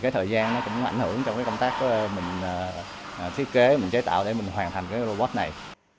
thời gian cũng ảnh hưởng trong công tác mình thiết kế mình chế tạo để mình hoàn thành robot này